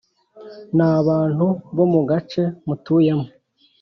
Ni abantu bo mu gace mutuyemo